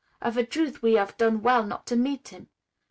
Of a truth we hav' done well not to meet him.